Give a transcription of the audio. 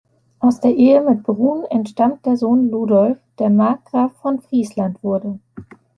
Aus der Ehe mit Brun entstammt der Sohn Liudolf, der Markgraf von Friesland wurde.